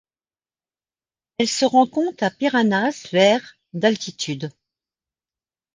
Elle se rencontre à Piranhas vers d'altitude.